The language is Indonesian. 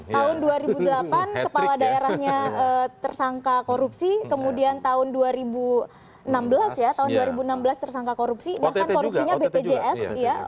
tahun dua ribu delapan kepala daerahnya tersangka korupsi kemudian tahun dua ribu enam belas tersangka korupsi bahkan korupsinya bpjs